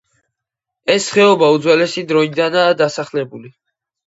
ეს ხეობა უძველესი დროიდანაა დასახლებული.